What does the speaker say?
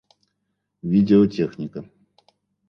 Видеотехника